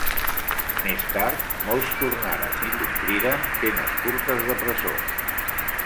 Més tard, molts tornaren i compliren penes curtes de presó.